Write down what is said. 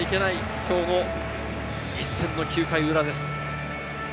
今日の一戦の９回裏です。